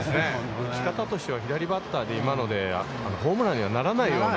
打ち方としては、左バッターで、今のでホームランにはならないような。